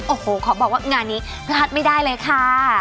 โอ้โหขอบอกว่างานนี้พลาดไม่ได้เลยค่ะ